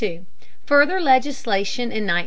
FURTHER LEGISLATION IN 1914.